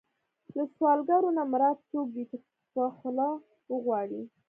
له سوالګر نه مراد څوک دی چې په خوله وغواړي.